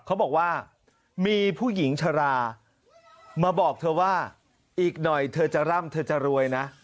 เขาบอกว่ามีผู้หญิงชรามาบอกเธอว่าอีกหน่อยเธอจะร่ำเธอจะรวยนะ